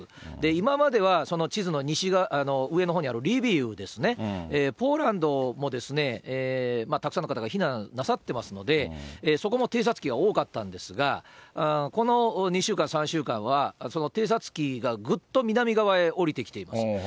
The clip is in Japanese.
今までは地図の上のほうにあるリビウですね、ポーランドもたくさんの方が避難なさってますので、そこも偵察機が多かったんですが、この２週間、３週間はその偵察機がぐっと南側へ下りてきています。